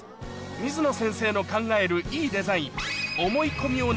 水野先生の考えるいいデザイン